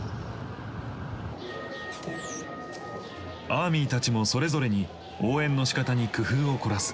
アーミーたちもそれぞれに応援のしかたに工夫を凝らす。